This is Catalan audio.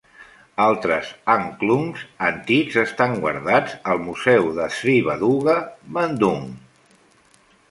Altres angklungs antics estan guardats al Museu de Sri Baduga, Bandung.